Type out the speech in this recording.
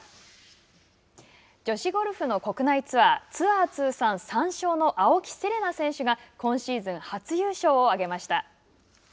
女子ゴルフの国内ツアーツアー通算３勝の青木瀬令奈選手が今シーズン初優勝を挙げました。